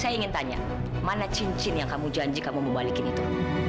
saya ingin tanya mana cincin yang kamu janji kamu membalikin itu